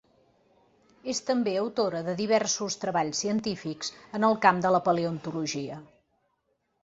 És també autora de diversos treballs científics en el camp de la paleontologia.